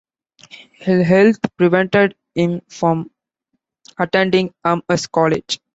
Ill health prevented him from attending Amherst College.